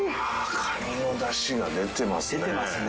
カニのだしが出てますね。